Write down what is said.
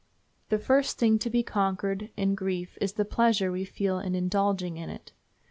The first thing to be conquered in grief is the pleasure we feel in indulging it.